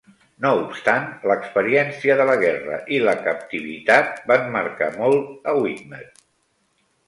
No obstant, l'experiència de la guerra i la captivitat van marcar molt a Widmer.